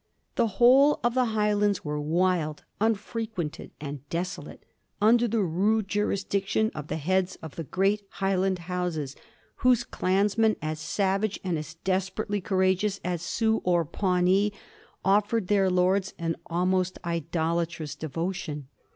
The whole of the Highlands were wild, unfre quented, and desolate, under the rude jurisdiction of the heads of the great Highland houses, whose clansmen, as savage and as desperately courageous as Sioux or Pawnees, offered their lords an almost idolatrous devotion.